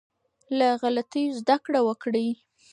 له غلطيو زده کړه وکړئ.